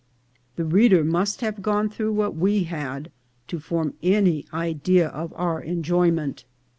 The reader must have gone through what we had to form any idea of our en joyment.